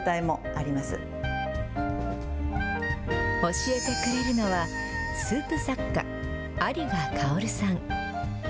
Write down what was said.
教えてくれるのは、スープ作家、有賀薫さん。